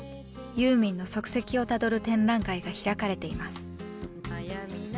ユーミンの足跡をたどる展覧会が開かれています。